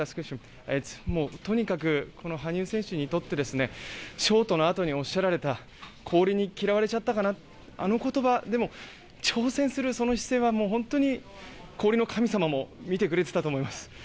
とにかく、羽生選手にとってショートのあとにおっしゃられた「氷に嫌われちゃったかな」あの言葉挑戦する、その姿勢は本当に氷の神様も見てくれていたと思います。